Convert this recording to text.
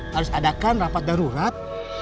harus adakan rapat darurat